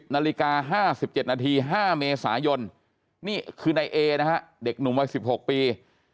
นาฬิกา๕๗นาที๕เมษายนนี่คือนายเอนะฮะเด็กหนุ่มวัย๑๖ปี